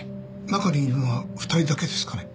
中にいるのは２人だけですかね？